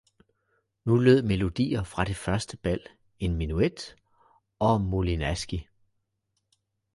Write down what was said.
Nu lød melodier fra det første bal, en menuet og molinaski.